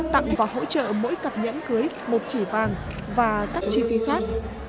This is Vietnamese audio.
tặng và hỗ trợ mỗi cặp nhẫn cưới một chỉ vàng và các chi phí khác